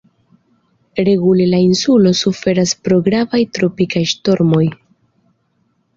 Regule la insulo suferas pro gravaj tropikaj ŝtormoj.